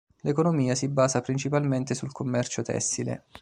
L'economia si basa principalmente sul commercio tessile.